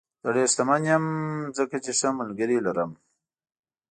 زه ډېر شتمن یم ځکه چې ښه ملګري لرم.